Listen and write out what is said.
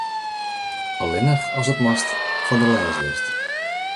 Allinnich as it moast foar de lêslist.